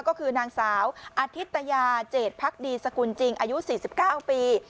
ก็คือนางสาวอธิตยาเจดพักดีสกุลจริงอายุ๔๙ปี